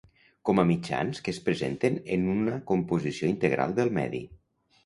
Com a mitjans que es presenten en una composició integral del medi.